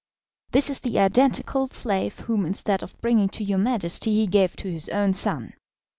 This is the identical slave, whom instead of bringing to your Majesty he gave to his own son.